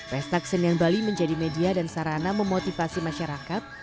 pesta kesenian bali menjadi media dan sarana memotivasi masyarakat